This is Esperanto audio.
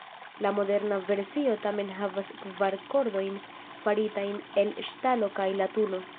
La moderna versio tamen havas kvar kordojn faritajn el ŝtalo kaj latuno.